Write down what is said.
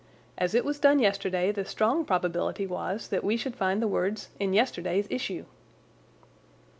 As it was done yesterday the strong probability was that we should find the words in yesterday's issue."